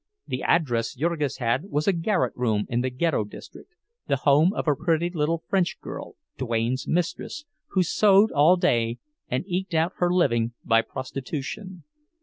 The address Jurgis had was a garret room in the Ghetto district, the home of a pretty little French girl, Duane's mistress, who sewed all day, and eked out her living by prostitution.